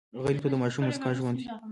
غریب ته د ماشوم موسکا ژوند دی